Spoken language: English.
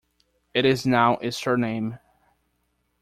It is now a surname.